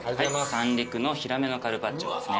三陸のヒラメのカルパッチョですね。